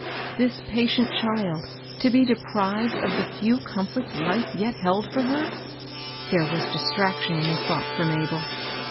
This patient child to be deprived of the few comforts Hfe yet held for her I There was distraction in the thought for Mabel.